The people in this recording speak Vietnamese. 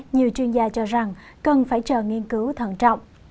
nhiều chuyên gia cho rằng cần phải chờ nghiên cứu thận trọng